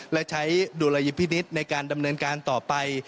และใช้ดุลยพินิษฐ์ในการดำเนินการต่อไป